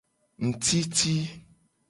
Ngtiti.